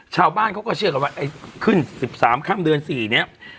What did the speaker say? ชาวบ้านเขาก็เชื่อกันว่าไอ้ขึ้นสิบสามข้ามเดือนสี่เนี้ย